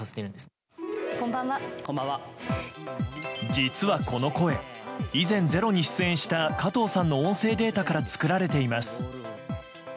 実はこの声以前「ｚｅｒｏ」に出演した加藤さんの音声データから作られています。